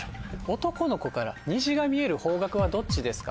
男の子から虹が見える方角はどっちですか？